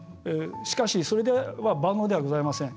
しかし、それでは万能ではございません。